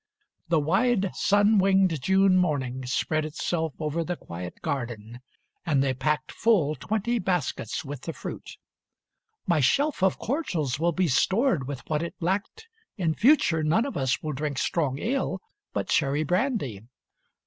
XXX The wide, sun winged June morning spread itself Over the quiet garden. And they packed Full twenty baskets with the fruit. "My shelf Of cordials will be stored with what it lacked. In future, none of us will drink strong ale, But cherry brandy."